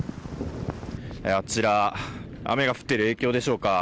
あちら雨が降っている影響でしょうか。